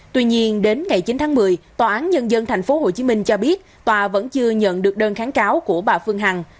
tuy nhiên đến ngày chín tháng một mươi tnthph cho biết tòa vẫn chưa nhận được đơn kháng cáo của bà phương hằng